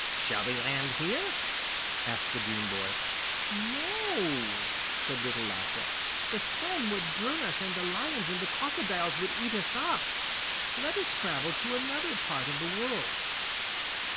'Shall we land here?' asked the dream boy. 'No,' said Little Lasse. 'The sun would burn us, and the lions and the crocodiles would eat us up. Let us travel to another part of the world.